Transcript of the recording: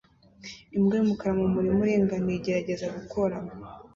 Imbwa yumukara mumurima uringaniye igerageza gukora